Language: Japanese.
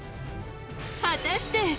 果たして。